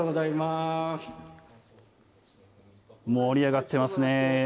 盛り上がってますね。